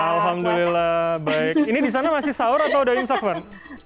alhamdulillah baik ini di sana masih sahur atau udah imsakwan